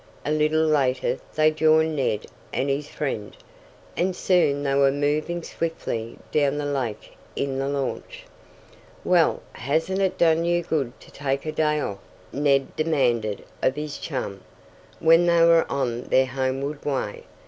A little later they joined Ned and his friend, and soon they were moving swiftly down the lake in the launch. "Well, hasn't it done you good to take a day off?" Ned demanded of his chum, when they were on their homeward way.